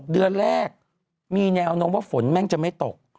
เดือนแรกมีแนวโน้มว่าฝนแม่งจะไม่ตก